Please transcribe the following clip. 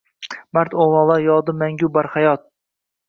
Mard o‘g‘lonlar yodi mangu barhayot